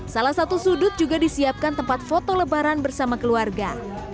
salah satu sudut juga disiapkan tempat foto lebaran bersama keluarga